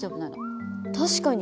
確かに。